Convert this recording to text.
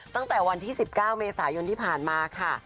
ตั้งแต่วันที่๑๙เมษายนที่ผ่านมาค่ะ